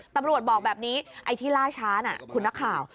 ตำรวจบอกแบบนี้ไอ้ที่ล่าช้าน่ะคุณนักข่าว